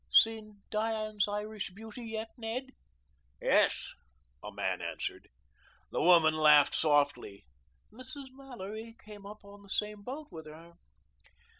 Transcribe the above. "Seen Diane's Irish beauty yet, Ned?" "Yes," a man answered. The woman laughed softly. "Mrs. Mallory came up on the same boat with her."